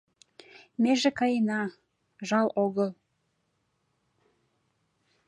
Меже каена — жал огыл